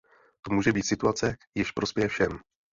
To může být situace, jež prospěje všem.